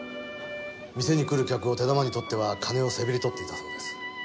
店に来る客を手玉に取っては金をせびり取っていたそうです。